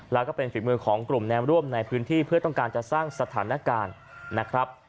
แล้วก็เป็นฝีมือของกลุ่มแนมร่วมในพื้นที่เพื่อต้องการจะสร้างสถานการณ์นะครับ